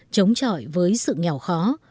chống trọi với sự nghèo khó